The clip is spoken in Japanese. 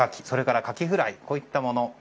それからカキフライこういったもの。